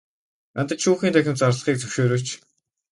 Надад шүүхийн танхим зарлахыг зөвшөөрөөч.